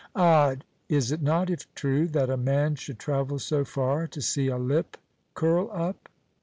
Odd, is it not, if true, that a man should travel so far to see a lip curl up?"